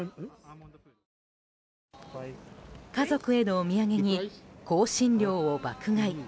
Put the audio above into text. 家族へのお土産に香辛料を爆買い。